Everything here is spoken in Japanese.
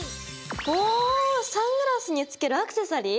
おサングラスにつけるアクセサリー？